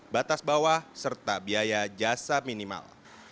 batas bawah serta biaya jasa minimal